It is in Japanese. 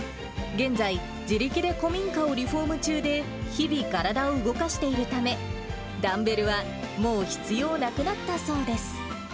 現在、自力で古民家をリフォーム中で、日々、体を動かしているため、ダンベルはもう必要なくなったそうです。